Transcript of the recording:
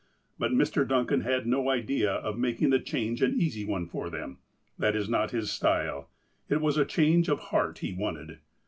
But Mr. Duncan had no idea of making the change an easy one for them. That is not his style : it was a change of heart he wanted.